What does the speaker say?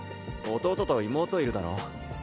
弟と妹いるだろ。